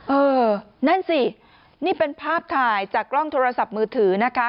เออนั่นสินี่เป็นภาพถ่ายจากกล้องโทรศัพท์มือถือนะคะ